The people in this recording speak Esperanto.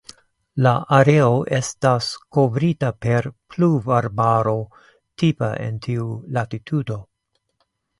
La areo estas kovrita per pluvarbaro tipa en tiu latitudo.